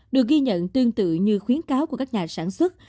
được ghi nhận tương tự như khuyến cáo của các nhà sản xuất